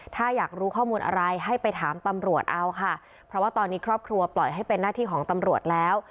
ถ้าอยากรู้ข้อมูลอะไรให้ไปถามตำรวจเอาค่ะเพราะว่าตอนนี้ครอบครัวปล่อยให้เป็นหน้าที่ของตำรวจแล้ว